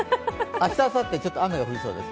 明日、あさって雨が降りそうです。